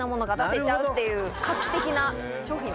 画期的な商品です。